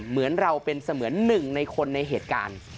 เหมือนเราเป็นเสมือนหนึ่งในคนในเหตุการณ์